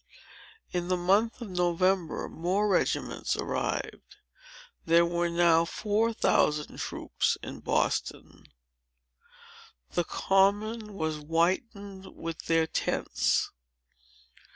In the month of November, more regiments arrived. There were now four thousand troops in Boston. The Common was whitened with their tents.